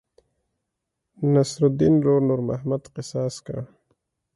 نصرالیدن ورور نور محمد قصاص کړ.